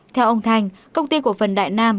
theo ông thành công ty cổ phần đại nam